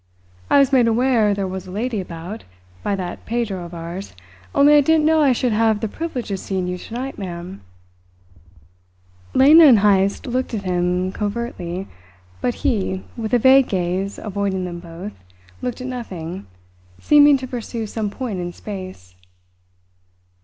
"I was made aware there was a lady about, by that Pedro of ours; only I didn't know I should have the privilege of seeing you tonight, ma'am." Lena and Heyst looked at him covertly, but he, with a vague gaze avoiding them both, looked at nothing, seeming to pursue some point in space.